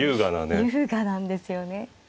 優雅なんですよね。